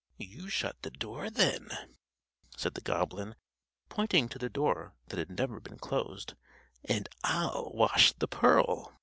"You shut the door, then," said the goblin, pointing to the door that had never been closed, "and I'll wash the pearl."